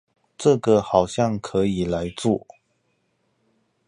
這個好像可以來做